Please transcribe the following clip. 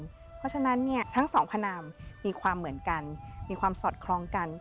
เพราะฉะนั้นเนี่ยทั้งสองพนามมีความเหมือนกันมีความสอดคล้องกัน